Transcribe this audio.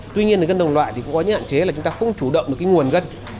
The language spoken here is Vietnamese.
tuy nhiên cái gân đồng loại thì có những hạn chế là chúng ta không chủ động được cái nguồn gân